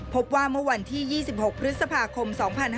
พบว่าเมื่อวันที่๒๖พฤษภาคม๒๕๕๙